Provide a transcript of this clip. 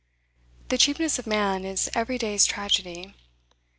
The cheapness of man is every day's tragedy.